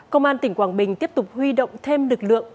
công an tỉnh quảng bình tiếp tục huy động thêm lực lượng